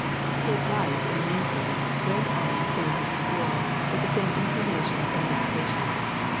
His life, in the mean time, went on the same as before, with the same inclinations and dissipations.